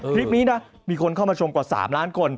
คลิปนี้นะมีคนเข้ามาชมกว่า๓ล้านคน